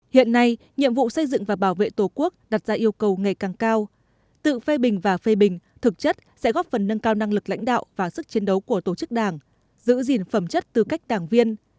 hiện nay nhiệm vụ xây dựng và bảo vệ tổ quốc đặt ra yêu cầu ngày càng cao tự phê bình và phê bình thực chất sẽ góp phần nâng cao năng lực lãnh đạo và sức chiến đấu của tổ chức đảng giữ gìn phẩm chất tư cách đảng viên